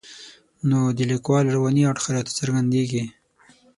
نو د لیکوال رواني اړخ راته څرګندېږي.